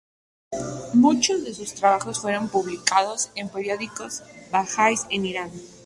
Muchos de sus trabajos fueron publicados en periódicos bahá’ís en Irán.